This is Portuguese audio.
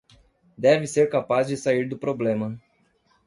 Deve ser capaz de sair do problema